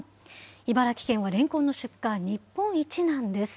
茨城県はレンコンの出荷日本一なんです。